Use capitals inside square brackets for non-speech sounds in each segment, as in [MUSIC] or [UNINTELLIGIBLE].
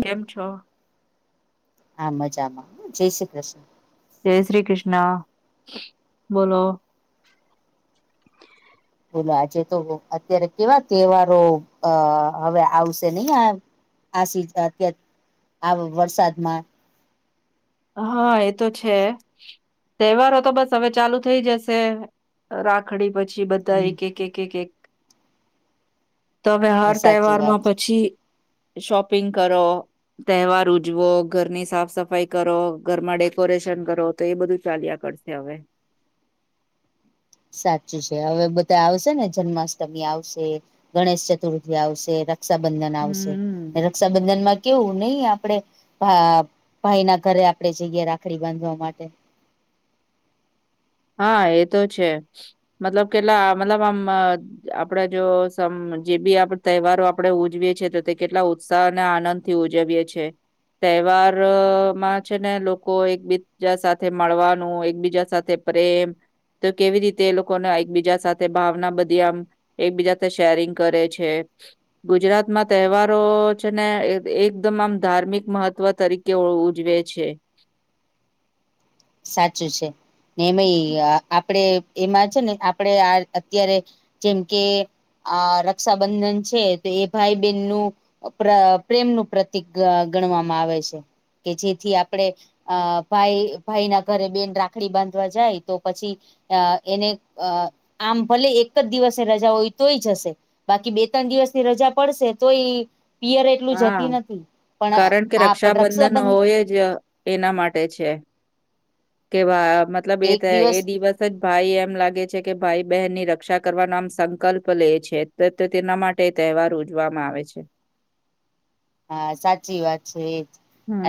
કેમ છો. આ મજામાં જય શ્રી કૃષ્ણ. જય શ્રી કૃષ્ણ બોલો. બોલો આજે તો અત્યારે કેવા તહેવારો અ હવે આવશે નહી આ આ સી અત આ વરસાદમાં હા એતો છે તહેવારો તો બસ હવે ચાલુ થઈ જશે. રાખડી પછી બધા એક એક એક એક એક તવે હર સાચી વાત તહેવારમાં પછી શોપિંગ કરો તહેવાર ઉજવો ઘરની સાફ સફાઈ કરો ઘરમાં ડેકોરેશન કરો તો એ બધું ચાલ્યા કરશે હવે. સાચું છે હવે બધા આવશે ને જન્માષ્ટમી આવશે ગણેશ ચતુર્થી આવશે ર રક્ષાબંધન આવશે હમ્મ. રક્ષાબંધનમાં કેવું નહી આપડે ભાઈ ના ઘરે આપડે જઈએ રાખડી બાંધવા માટે. હા એ તો છે મતલબ કેટલા મતલબ આમ આપડે જો જે બી આપ તહેવારો આપડે ઉજવીએ છીએ તો તે કેટલા ઉત્સાહ અને આનંદ થી ઉજવીએ છીએ. તહેવાર માં છે ને લોકો એકબીજા સાથે મળવાનું એકબીજા સાથે પ્રેમ તો કેવી રીતે એ લોકોને એકબીજા સાથે ભાવના બધી આમ એકબીજા શેરિંગ કરે છે. ગુજરાતમાં તહેવારો છે ને એકદમ આમ ધાર્મિક મહત્વ તરીકે કેવ ઉજવે છે. સાચું છે ને એમાંય હમ્મ, આપણેે એમાં છે ને આપણે આ અત્યારે. જેમ કે આ રક્ષાબંધન છે તો એ ભાઈ બહેન નું. પ્ર પ્રેમ નું પ્રતિક ગણવામાં આવે છે. કે જેથી આપડણે અ ભાઈ. ભાઈ ના ઘરે બેન રાખડી બાંધવા જાય તો પછી. અ એને અ આમ ભલે એક જ દિવસે રજા હોય તોય જ હશે. બાકી બે ત્રણ દિવસની રજા પડશે તો એ. પિયર એટલું જતી હા. નથી પણ કારણ કે હા પણ રક્ષાબંધન રક્ષાબંધ. હોય જ એના માટે છે કે મતલબ એ એ દિવસ. જ ભાઈ એમ લાગે છે કે ભાઈ બહેનની રક્ષા કરવાનો આમ સંકલ્પ લે છે. તેના માટે તહેવાર ઉજવામાં આવે છે. હા સાચી વાત છે એજ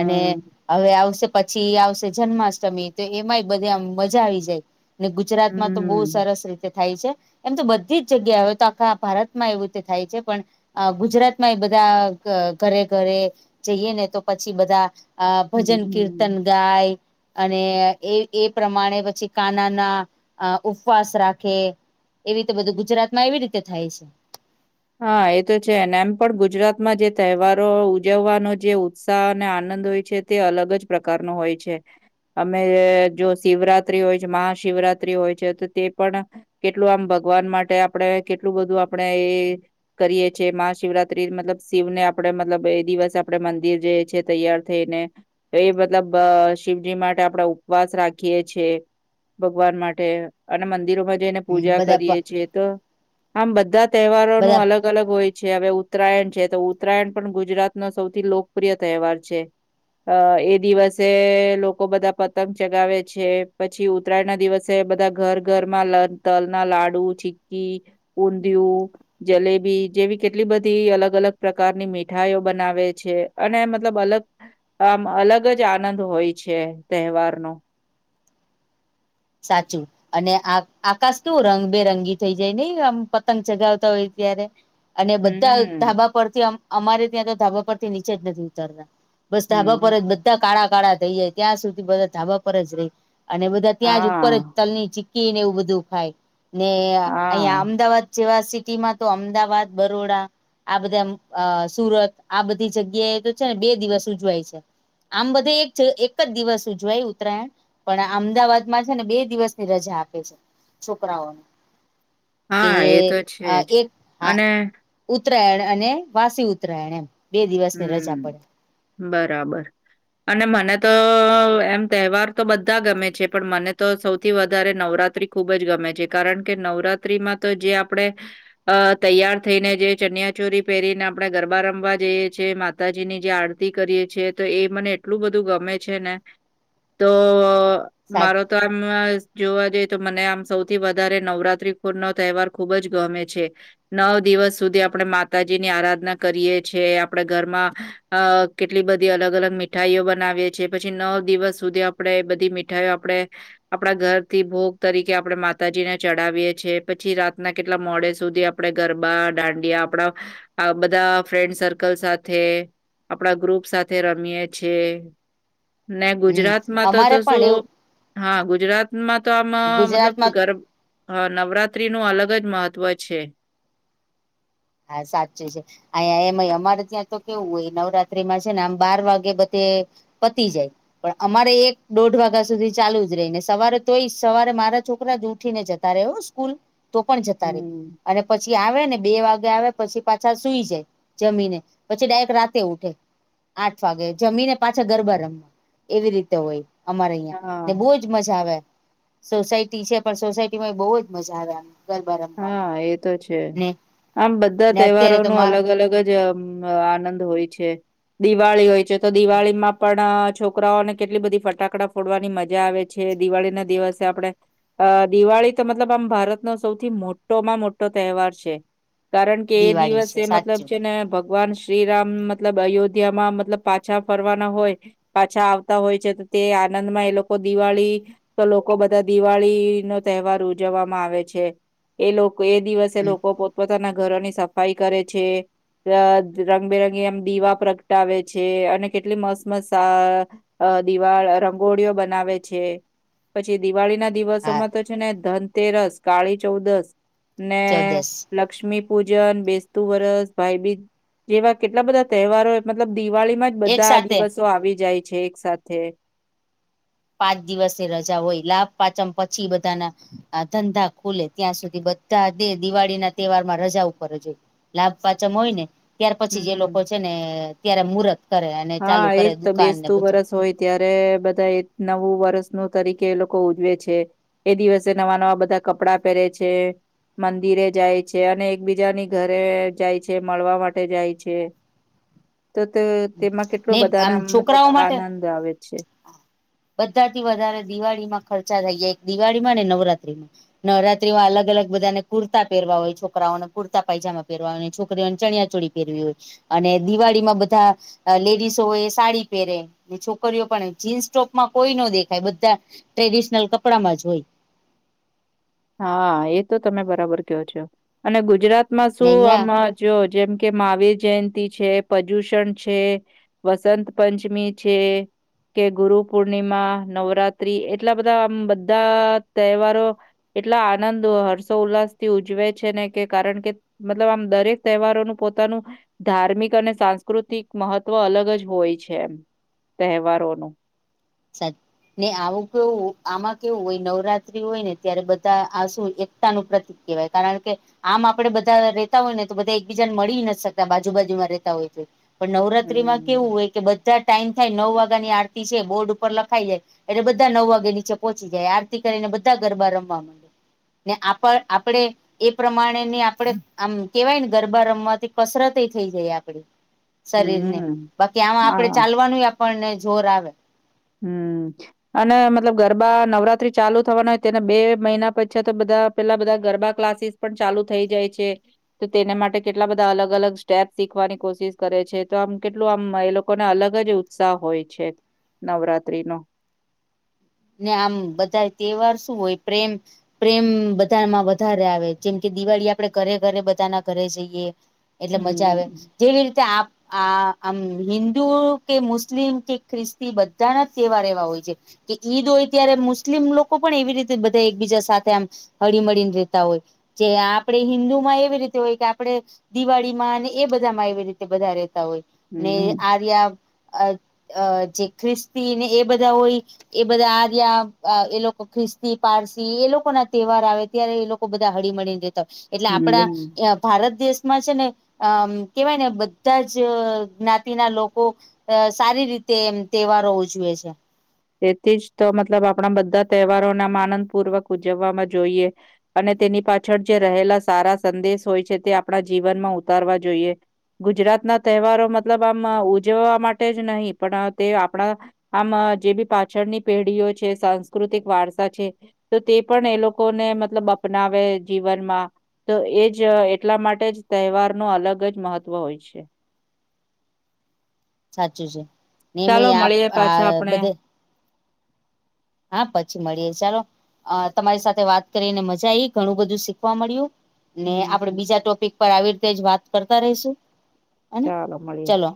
અને હવે આવશે. પછી આવશે જન્માષ્ટમી તો એમાંય બધે આમ મજા આવી જાય ને ગુજરાતમાં તો બહ હમ્મ. સરસ રીતે થાય છે. એમ તો બધી જ જગ્યા હોય તો આખા ભારતમાં એવું તે થાય છે પણ અ ગુજરાત માં એ બધા ઘરે ઘરે જઈએ ને તો પછી બધા અ ભજન કીર્તન ગાય અને એ એ પ્રમાણે પછી કાનાના ઉપવાસ રાખે એવી રીતે બધું ગુજરાત માં એવી રીતે થાય છે. હા એ તો છે ને એમ પણ ગુજરાતમાં જે તહેવારો ઉજવવાનો જે ઉત્સાહ અને આનંદ હોય છે. તે અલગ જ પ્રકાર ન હોય છે. અમે જો શિવરાત્રી હોય છે મહાશિવરાત્રી હોય છે તો તે પણ કેટલું આમ ભગવાન માટે આપણેે કેટલું બધું આપણેે એ કરીએ છીએ મહા શિવરાત્રી મતલબ શિવ ને આપણેે મતલબ એ દિવસ આપણેે મંદિર જે છી તૈયાર થઈને તો એ મતલબ શિવજી માટે આપણે ઉપવાસ રાખીએીએ ભગવાન માટે અને મંદિરોમાં ને પૂજા બધા કરીએ છીએ તો આમ બધા તહેવારો ન બધા અલગ અલગ અલગ હોય છે હવે ઉત્તરાયણ છે તો ઉત્તરાયણ પણ ગુજરાત ન સૌથી લોકપ્રિય તહેવાર છે. અ એ દિવસે લોકો બધા પતંગ ચગાવે છે પછી ઉત્તરાય ના દિવસે બધા ઘર ઘરમાં લ તલ ના લાડુ ચીકી-' ઉઘીયુ જલેબી જેવી કેટલી બધી અલગ અલગ પ્રકારની મીઠાઈઓ બનાવે છે અને મતલબ અલગ આમ અલગ જ આનંદ હોય છે તહેવારનો સાચું અને આ આકાશ કેવું રંગબેરંગી થઈ જાય નહ આમ પતંગ ચગાવતા હોય ત્યારે અને બધા હમ્મ, ધાબા પરથી અમારે ત્યાં તો ધાબા પરથી નીચે જ નથી ઉતરતા બસ ધાબા પર હમ્મ. જ બધા કાળા કાળા થઈ જાય ત્યાં સુધી બધા ધાબા પર જ રહી અને બધ ત્યાં જ ઉપર જ હા, તલની ચીકી ને એવું બધું ખાય ને અહિયાંયા હા, અમદાવાદ જેવા સિટી માં તો અમદાવાદ બરોડા આ બધા સુરત આ બધી જગ્યાએ તો છે ને બે દિવસ ઉજવાય છે. આમ બધે એક એક જ દિવસ ઉજવાય ઉત્તરાયણ પણ અમદાવાદ માં છે ને બે દિવસ ની રજા આપે છે છોકરાઓને કે હા એ તો છે જ જે એક અને ઉત્તરાયણ અને વાસી ઉત્તરાયણ એમ બે દિવસની રજા હમ પડે બરાબર અને મને તો એમ તહેવાર તો બધા ગમે છે પણ મને તો સૌથી વધારે નવરાત્રી ખૂબ જ ગમે છે કારણ કે નવરાત્રીમાં તો જે આપણે અ તૈયાર થઈને જે ચનિયા ચોરી પહેરીને આપણે ગરબા રમવા જેઈ માતાજીની જે આરતી કરીએ છી તો એ મને એટલું બધું ગમે છે ને તો સાચ મારો તો આમ જોવા જઈએ તો મને આમ સૌથી વધારે નવરાત્રીપુર નો તહેવાર ખુબ જ ગમે છે. નવ દિવસ સુધી આપણે માતાજી ની આરાધના કરીએ છ છેએ આપણે ઘરમાં અ કેટલી બધી અલગ અલગ મીઠાઈઓ બનાવીએ છીએ પછી નવ દિવસ સુધી આપણેે બધી ઠું આપડે આપણા ઘરથી ભોગ તરીકે આપણેે માતાજીને ચડાવીએ છેએ પછી રાતના કેટલા મોડે સુધી આપે ગરબા દાંડિયા આપણા બધા ફ્રેન્ડક સરકલ--' લ સાથે આપડા ગ્રુપ સાથે રમીએ છેએ ને હમ ગુજરાતમાં તો અમારે તો પણ શું? એવું હા ગુજરાતમાં તો આમ મતલબ ગુજરાતમાં ગર હા નવરાત્રી નું અલગ જ મહત્વ છે. હા સાચી છે. અ એમ અમારે ત્યાં તો કેવું હોય નવરાત્રીમાં છે ને આમ બાર વાગે બધે પતી જાય. પણ અમારે એક દોઢ વાગ્યા સુધી ચાલુ જ રહી ને સવારે તોય જ સવારે મારા છોકરા જ ઉઠી ને જતા રહે સ્કૂલ તો પણ જતા રે હમ અને પછી આવે ને બે વાગે આવે પછી પાછા સુઈ જાય જમીને પછી ડાયરેક્ટ રાતે ઉઠે આઠ વાગે જમીને પાછા ગરબા રમવા એવી રીતે હોય અમારે અહં હા ને બહુ જ મજા આવે સોસાયટી છે પણ સોસાયટી માં બહુ જ મજા આવે ગરબા રમવાની હા એ તો છે. ને આમ બધા ને તહેવારો અત્યારે ન તો માં અલગ અલગ જ આનંદ હોય છે દિવાળી હોય છે તો દિવાળી માં પણ છોકરાઓને કેટલી બધી ફટાકડા ફોડવાની મજા આવે છે છે દિવાળી ના દિવસે આપણે અ દિવાળી તો મતલબ આમ ભારત ન સૌ મોટોમાં મોટો તહેવાર છે કારણ કે એ દિવાળી દિવસે છે મતલબ સાચું છે ને ભગવાન શ્રીરામ મતલબ અયોધ્યામાં મતલબ પાછા ફરવાના હોય પાછા આવતા હોય છે તો તે આનંદમાં એ લોકો દિવાળી તો લોકો બધા દિવાળી નો તહેવાર ઉજવવામાં આવે છે એ લોકો એ દિવસે હમ લોકો પોતપોતાના ઘરોની સફાઈ કરે છે રંગબેરંગી એમ દીવા પ્રગટાવે છે અને કેટલી મસ મસ અ અ દિવાળ રંગોળીઓ બનાવે છે પછી દિવાળી ના હા દિવસોમાં તો છે ને ધનતેરસ કાળી ચૌદશ ને ચૌદસ લક્ષ્મી પૂજન બેસતું વરસ ભાઈબીજ જેવા કેટલા બધા તહેવારો મતલબ દિવાળીમાં જ એક બધા સાથે દિવસો આવી જાય છે એક સાથે પાંચ દિવસે રજા હોય લાભ પાચમ પછી બધાના આ ધંધા ખુલે ત્યાં સુધી બધા દે દિવાળી ના તહેવાર માં રજા ઉપર જોઈ લાભ પાચમ હોય ને ત્યાર પછી જે હમ્મ. લોકો છે ને ત્યારે મુરર્ત કરે અને ચાલુ હા, એજ કરે તો દુકાન ને બેસતું બધું વરસ હોય ત્યારે બધા એક નવું વર્ષ ન તરીકે એ લોકો ઉજવે છે એ દિવસે નવા નવા બધા કપડા પહેરે છે. મંદિરે જાય છે અને એકબીજાની ઘરે જાય છે મળવા માટે જાય છે [INAUDIBLE] તો તે તેમાં કેટલો ને બધા આમ ના મતલબ છોકરાઓ આનંદ આવે છે બધા થી વધારે દિવાળી માં ખર્ચા થઈ જાય એક દિવાળીમાં અને નવરાત્રીમાં નવરાત્રી અલગ અગ બધાને કુર્તા પહેરવા હોય છોકરાઓને કુર્તા પાયજા પહેરવા હોયને છોકરીઓને ચણિયા ચોળ પરવી હોય અને દિવાળી માં બધા લેડીસો હોય એ સાડી પહેરે છોકરીઓ પણ જીન્સ ટોપ માં કોઈ ન દેખાય બધા ટ્રેડિશનલ કપડામાં જ હોય હા એ તો તમે બરાબર કયો છો અને ગુજરાતમાં ને શું અહિયાં આમ જો જેમ કે મહાવીર જયંતિ છે પ્રદૂષણ છે વસંત પંચમી છે. કે ગુરુ પૂર્ણિમા નવરાત્રી એટલા બધા આમ બધા તહેવારો એટલા આનંદ હર્ષોલ્લાસ થી ઉજવે છે ને કે કારણ કે મતલબ આમ દરેક તહેવારોનું પોતાનું ધાર્મિક અને સાંસ્કૃતિક મહત્વ અલગ જ હોય છે એમ તહેવારોનું સા ને આવું કેવું આમાં કેવું હોય નવરાત્રી હોય ને ત્યારે બધા આ શું એકતા નુ પ્રત કેવાય કારણ કે આમ આપડે બધા રહેતા હોય ને તો બધા એકબીજાને મળી નથી શકતા બાજુ બાજુમાં રહેતા હોય તો પણ નવરાત્રી માં કેવું હમ્મ. હોય કે બધા ટાઈમ થાય નવ વાગ્યા ની આરતી છે બોર્ડ ઉપ લખાઈ જાય એટલે બધા નવ વાગે નીચે પહોંચી જાય આરતી કરીને બધા ગરબા રમવા માંડે ને આપ આપણેે એ પ્રમાણે ને આપડે આમ કેવાય ને ગરબા રમવાથી કસરત થઈ જાય આપડી શરીર ને હમ્મ, બાકી આમાં આપડે હા. ચાલવાનું આપણને જોર આવે હમ્ અને મતલબ ગરબા નવરાત્રી ચાલુ થવાના હોય તેને બે મહિના પછી તો બધા પેલા બધા ગરબા ક્લાસીસ- પણ ચાલુ થઈ જાય છે. તો તેને માટે કેટલા બધા અલગ અલગ સ્ટેપ શીખવાની કોશિશ કરે છે તો આમ કેટલું આમ એ લોકો- લોકોને અલગ જ ઉત્સાહ હોય છે નવરાત્રી નો- ને આમ બધા તહેવાર શું હોય પ્રેમ- પ્રેમ બધામાં વધારે આવે જેમ કે દિવાળી આપડે ઘરે ઘરે બધાના ઘરે જઈએ- એટલે મજા આવે હમ્મ જેવી રીતે આપ- આ આમ હિન્દુ કે મુસ્લિમ કે ખ્રિસ્તી બધાના તહેવાર એવા હોય છે. કે ઈદ હોય ત્યારે મુસ્લિમ લોકો પણ એવી રીતે બધા એકબીજા સાથે આમ હળીમળીને રહેેતા હોય. જે આપે હિન્દુ માં એવી રીતે હોય કે આપણે- દિવાળી માં અને એ બધા માં એવી રીતે બધા રહેતા હોય- ને હમ્મ આર્ય જે ખ્રિસ્તી ને એ બધા હોય? એ બધા આર્ય એ લોકો ખ્રિસ્તી પારસી એ લોકો ના તહેવાર આવે ત્યારે એ લોકો- બધા હળી મળળીને જેતા હોય એટલે હમ્મ. આપણા- ભારત દેશમાં છે ને અમ કેવાય ને બધા જ જ્ઞાતિના લોકો- અ સારી રીતે એમ તહેવારો ઉજવે છે. તેથી જ તો મતલબ આપણા બધા તહેવારોને આમ આનંદપૂર્વક ઉજવવામાં જોઈએ- અને તેની પાછળ જે રહેલા સારા સંદેશ હોય છે તે આપણા જીવનમાં ઉતારવા જોઈએ- ગુજરાતના તહેવારો મતલબ આમ ઉજવવા માટે જ નહીં પણ તે આપણા- આમ જે બી પાછળની પેઢીઓ છે સાંસ્કૃતિક વારસા છે. તો તે પણ એ લોકોને મતલબ અપનાવે જીવનમાં- તો એ જ એટલા માટે જ તહેવાર ન અલગ જ મહત્વ હોય છે. સાચું છે ને મે ચાલો આ મળીએ પાછા આ આપણે બધે- હા પછી મળીએ ચાલો- અ તમારી સાથે વાત કરીને મજા આઈ ઘણું બધું શીખવા મળ્યું- ને આપડે હમ બીજા ટોપિક પર આવી રીતે જ વાત કરતા રહીશું- હેને ચાલો મળીએ [UNINTELLIGIBLE] ચલો